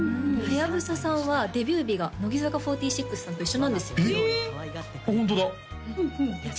はやぶささんはデビュー日が乃木坂４６さんと一緒なんですよえ！